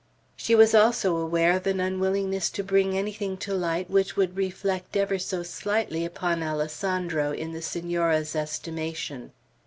She was also aware of an unwillingness to bring anything to light which would reflect ever so lightly upon Alessandro in the Senora's estimation.